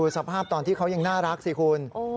สภาพตอนที่เขายังน่ารักสิคุณ